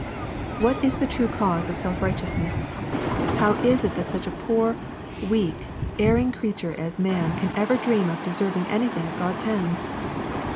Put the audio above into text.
What is the true cause of self righteousness ? How is it that such a poor, weak, erring creature as man can ever dream of deserving anything at God's hands